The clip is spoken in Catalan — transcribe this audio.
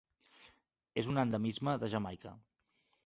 És un endemisme de Jamaica.